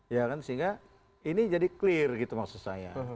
ya kan sehingga ini jadi clear gitu maksud saya